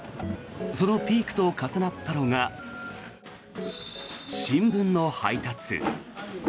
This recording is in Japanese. そのピークと重なったのが新聞の配達。